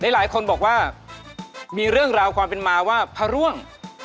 หลายคนบอกว่ามีเรื่องราวความเป็นมาว่าพระร่วง